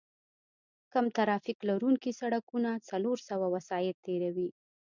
کم ترافیک لرونکي سړکونه څلور سوه وسایط تېروي